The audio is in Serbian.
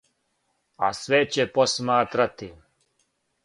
А свијет ће посматрати.